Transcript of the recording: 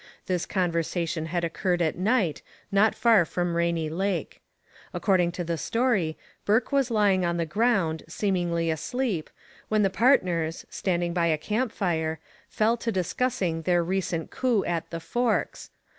This conversation had occurred at night, not far from Rainy Lake. According to the story, Bourke was lying on the ground, seemingly asleep, when the partners, standing by a camp fire, fell to discussing their recent coup at 'the Forks.'